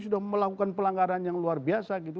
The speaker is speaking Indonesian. sudah melakukan pelanggaran yang luar biasa gitu